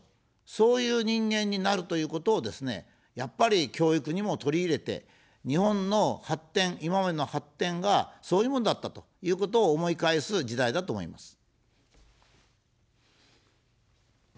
そういう人間になるということをですね、やっぱり、教育にも取り入れて、日本の発展、今までの発展がそういうものだったということを思い返す時代だと思います。